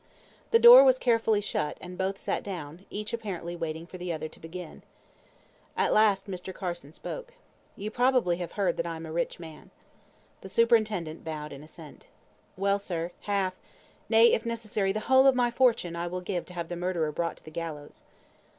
The door was carefully shut, and both sat down, each apparently waiting for the other to begin. At last Mr. Carson spoke. "You probably have heard that I am a rich man." The superintendent bowed in assent. "Well, sir, half nay, if necessary, the whole of my fortune I will give to have the murderer brought to the gallows."